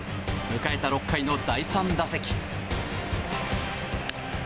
迎えた６回の第３打席。